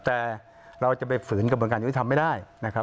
แต่เราจะไปฝืนกระบวนการยุติธรรมไม่ได้นะครับ